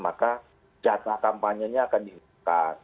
maka jatah kampanyenya akan dihitungkan